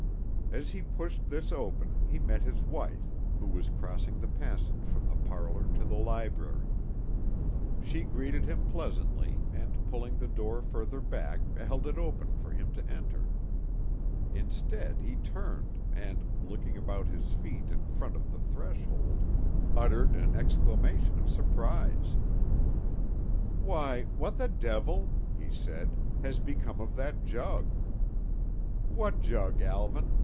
As he pushed this open he met his wife, who was crossing the passage from the parlor to the library. She greeted him pleasantly and pulling the door further back held it for him to enter. Instead he turned and, looking about his feet in front of the threshold, uttered an exclamation of surprise. "Why!—what the devil," he said, "has become of that jug?" "What jug, Alvan?"